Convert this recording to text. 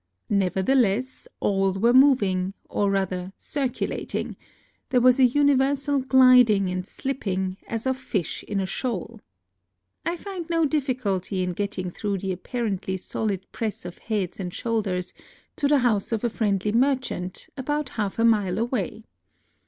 Nevertheless, all were moving, or rather circulating ; there was a universal gliding and slipping, as of fish in a shoal. I find no difficulty in get ting through the apparently solid press of heads and shoulders to the house of a friendly 66 NOTES OF A TRIP TO KYOTO merchant, about half a mile away.